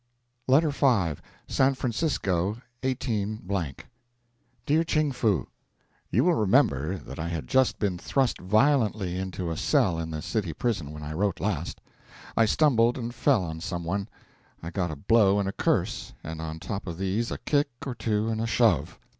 LETTER V SAN FRANCISCO, 18 . DEAR CHING FOO: You will remember that I had just been thrust violently into a cell in the city prison when I wrote last. I stumbled and fell on some one. I got a blow and a curse; and on top of these a kick or two and a shove.